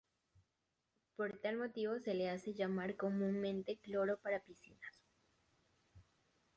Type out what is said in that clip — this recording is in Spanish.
Por tal motivo, se le hace llamar comúnmente "cloro para piscinas".